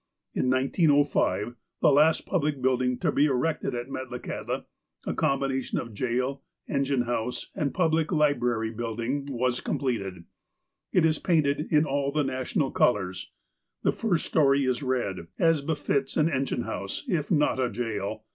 In 1905, the last public building to be erected at Met lakahtla, a combination of jail, engine house, and public library building, was completed. It is painted in all the national colours. The first storey is red, as befits an en gine house, if not a jail.